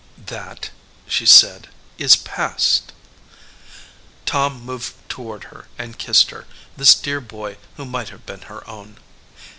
"That," she said, "is past." Tom moved toward her and kissed her, this dear boy who might have been her own.